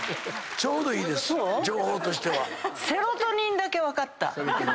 ちょうどいいです情報としては。